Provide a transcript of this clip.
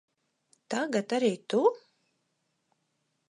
Tagad arī tu?